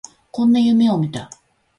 こんな夢を見た